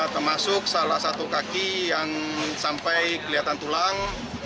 termasuk salah satu kaki yang sampai kelihatan tulang